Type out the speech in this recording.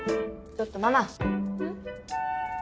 ちょっとママうん？